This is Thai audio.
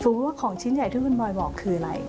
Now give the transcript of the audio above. ว่าของชิ้นใหญ่ที่คุณบอยบอกคืออะไร